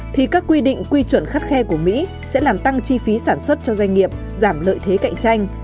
thì các quy định quy chuẩn khắt khe của mỹ sẽ làm tăng chi phí sản xuất cho doanh nghiệp giảm lợi thế cạnh tranh